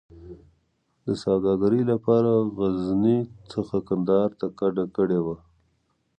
د سوداګرۍ لپاره له غزني څخه کندهار ته کډه کړې وه.